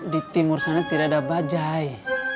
di timur sana tidak ada bajai